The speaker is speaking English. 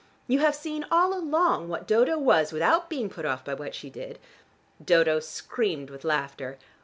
You have seen all along what Dodo was, without being put off by what she did " Dodo screamed with laughter.